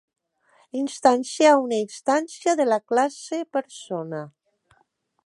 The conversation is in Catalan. Instanciar una instància de la classe Persona.